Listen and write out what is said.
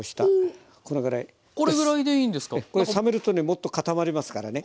これ冷めるとねもっと固まりますからね。